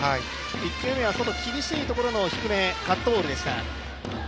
１球目は外低め、厳しいところのカットボールでした。